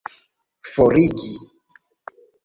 forigi